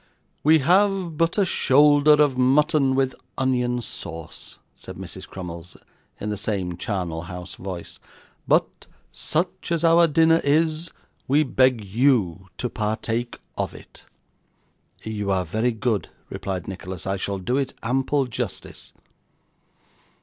'We have but a shoulder of mutton with onion sauce,' said Mrs. Crummles, in the same charnel house voice; 'but such as our dinner is, we beg you to partake of it.' 'You are very good,' replied Nicholas, 'I shall do it ample justice.